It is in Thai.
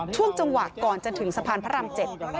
ช่วงจังหวะก่อนจะถึงสะพานพระราม๗